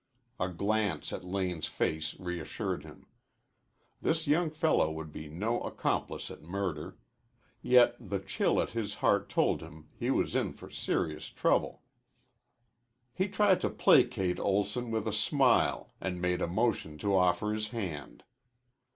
A glance at Lane's face reassured him. This young fellow would be no accomplice at murder. Yet the chill at his heart told him he was in for serious trouble. He tried to placate Olson with a smile and made a motion to offer his hand.